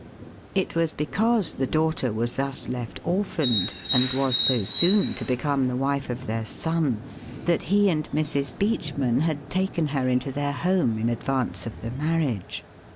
It was because the daughter was thus left orphaned, and was so soon to become the wife of their son, that he and Mrs. Beachman had taken her into their home in advance of the marriage.